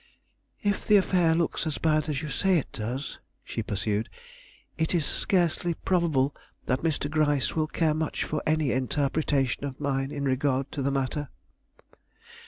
"If the affair looks as bad as you say it does," she pursued, "it is scarcely probable that Mr. Gryce will care much for any interpretation of mine in regard to the matter."